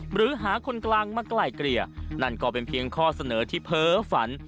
หรือหาคนกลางมาไกล่เกลี่ยนั่นก็เป็นเพียงข้อเสนอที่เพ้อฝัน